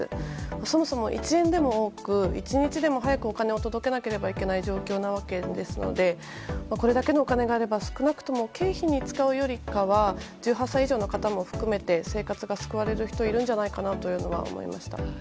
そもそも１円でも多く１日でも多くお金を届けなければいけないのでこれだけのお金があれば少なくとも経費に使うよりかは１８歳以上の方も含めて生活が救われる人がいるんじゃないかなと思います。